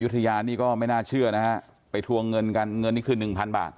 ทยานี่ก็ไม่น่าเชื่อนะฮะไปทวงเงินกันเงินนี่คือหนึ่งพันบาท